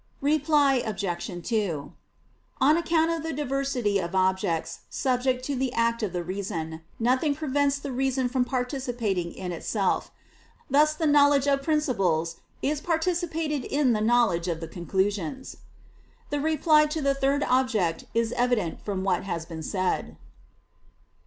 Reply Obj. 2: On account of the diversity of objects subject to the act of the reason, nothing prevents the reason from participating in itself: thus the knowledge of principles is participated in the knowledge of the conclusions. The reply to the third object is evident from what has been said.